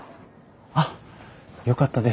あっよかったです。